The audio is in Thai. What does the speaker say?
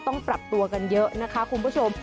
ต้องปรับตัวกันเยอะนะคะคุณผู้ชม